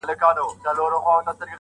او يوازې پاتې کيږي هره ورځ,